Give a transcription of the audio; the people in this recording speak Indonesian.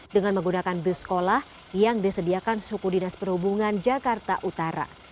dengan menggunakan bus sekolah yang disediakan suku dinas perhubungan jakarta utara